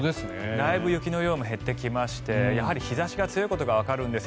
だいぶ雪の量も減ってきましてやはり日差しが強いことがわかるんです。